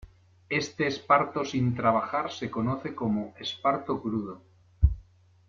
Este esparto sin trabajar se conoce como "esparto crudo".